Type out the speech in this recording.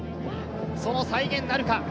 その再現なるか？